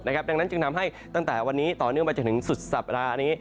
ดังนั้นจึงทำให้ตั้งแต่วันนี้ต่อเนื่องไปจนถึงสุดสัปดาห์นี้